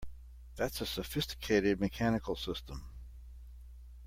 That's a sophisticated mechanical system!